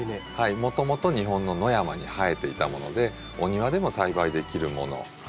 もともと日本の野山に生えていたものでお庭でも栽培できるもの。